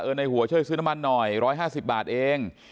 ในหัวช่วยซื้อน้ำมันหน่อย๑๕๐บาทเอง